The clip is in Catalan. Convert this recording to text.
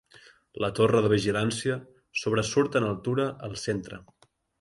La torre de vigilància sobresurt en altura al centre.